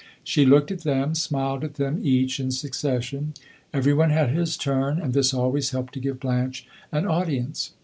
She looked at them, smiled at them each, in succession. Every one had his turn, and this always helped to give Blanche an audience.